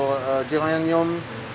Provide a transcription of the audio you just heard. mereka cukup sedikit sedikit